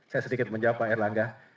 saya sedikit menjawab pak erlangga